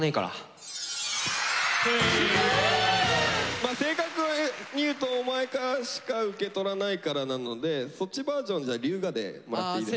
まあ正確に言うと「お前からしか受け取らないから」なのでそっちバージョンじゃあ龍我でもらっていいですか？